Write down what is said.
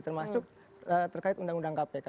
termasuk terkait undang undang kpk